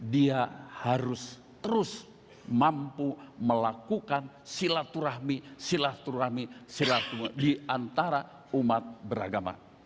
dia harus terus mampu melakukan silaturahmi silaturahmi silaturahmi diantara umat beragama